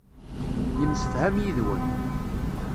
Yemsefham yid-wen.